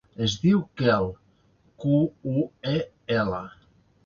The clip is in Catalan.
Es diu Quel: cu, u, e, ela.